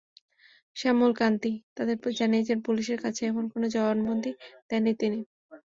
শ্যামল কান্তি তাঁদের জানিয়েছেন, পুলিশের কাছে এমন কোনো জবানবন্দি দেননি তিনি।